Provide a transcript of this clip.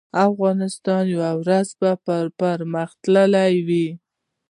افغانستان به یو ورځ پرمختللی وي